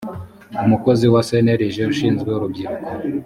umukozi wa cnlg ushinzwe urubyiruko